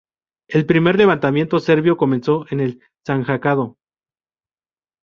El Primer Levantamiento Serbio comenzó en el Sanjacado.